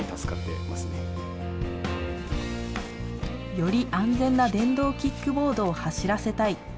より安全な電動キックボードを走らせたい。